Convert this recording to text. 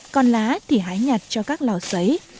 còn lá thì hái nhặt cho các lò xấy